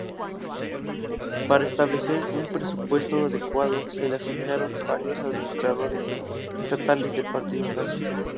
Para establecer un presupuesto adecuado, se le asignaron varios administradores estatales del Partido Nazi.